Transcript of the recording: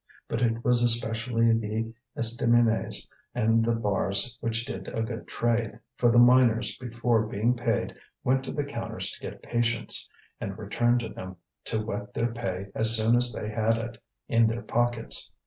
But it was especially the estaminets and the bars which did a good trade, for the miners before being paid went to the counters to get patience, and returned to them to wet their pay as soon as they had it in their pockets.